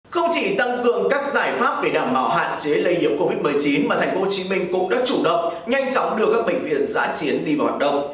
không chỉ tăng cường các giải pháp để đảm bảo hạn chế lây nhiễm covid một mươi chín mà tp hcm cũng đã chủ động nhanh chóng đưa các bệnh viện giã chiến đi vào hoạt động